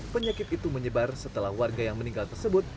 penyakit itu menyebar setelah warga yang meninggal tersebut